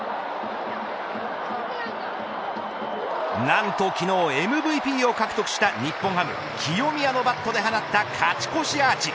なんときのうＭＶＰを獲得した日本ハム清宮のバットで放った勝ち越しアーチ。